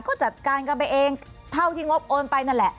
ก็จัดการกันไปเองเท่าที่งบโอนไปนั่นแหละ